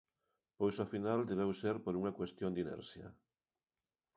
Pois ao final debeu ser por unha cuestión de inercia.